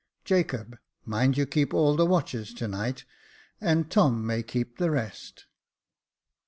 Jacob — mind you keep all the watches to night — and Tom may keep the rest."